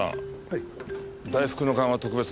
はい。